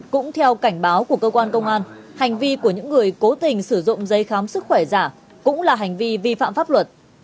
cũng theo cảnh báo của cơ quan công an hành vi của những người cố tình sử dụng giấy khám sức khỏe giả cũng là hành vi vi phạm pháp luật